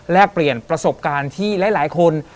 เปลี่ยนประสบการณ์ที่หลายคน